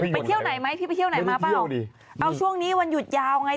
เที่ยวไหนไหมพี่ไปเที่ยวไหนมาเปล่าดีเอาช่วงนี้วันหยุดยาวไง